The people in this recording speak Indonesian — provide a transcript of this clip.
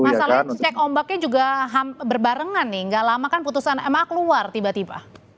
masalahnya cek ombaknya juga berbarengan nih gak lama kan putusan ma keluar tiba tiba